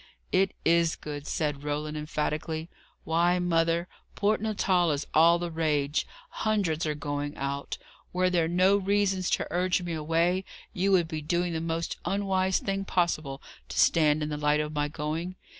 "It is good," said Roland emphatically. "Why, mother, Port Natal is all the rage: hundreds are going out. Were there no reasons to urge me away, you would be doing the most unwise thing possible to stand in the light of my going.